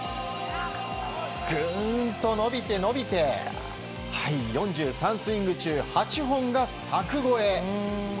ぐんと伸びて伸びて４３スイング中８本が柵越え。